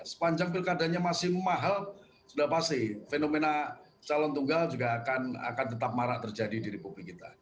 sepanjang pilkadanya masih mahal sudah pasti fenomena calon tunggal juga akan tetap marak terjadi di republik kita